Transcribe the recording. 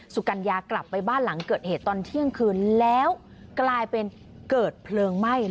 สุกัญญากลับไปบ้านหลังเกิดเหตุตอนเที่ยงคืนแล้วกลายเป็นเกิดเพลิงไหม้